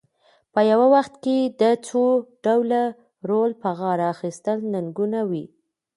په یو وخت کې د څو ډوله رول په غاړه اخیستل ننګونه وي.